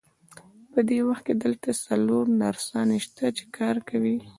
په دې وخت کې دلته څلور نرسانې شته، چې کار کوي.